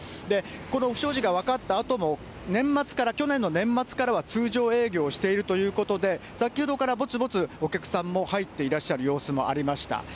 この不祥事が分かったあとも、年末から、去年の年末からは通常営業しているということで、先ほどからぼつぼつお客さんも入っていらっしゃる様子もありました。